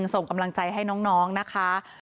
ส่งกำลังใจให้น้องนะคะ